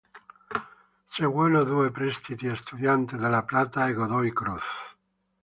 Seguono due prestiti a Estudiantes de La Plata e Godoy Cruz.